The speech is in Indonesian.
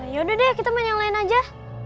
yaudah deh kita main yang lain aja